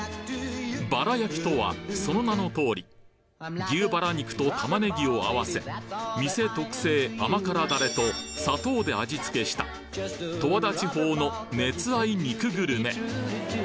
バラ焼きとはその名の通り牛バラ肉とタマネギを合わせ店特製甘辛ダレと砂糖で味付けした十和田地方の熱愛肉グルメ